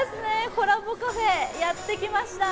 コラボカフェ、やってきました。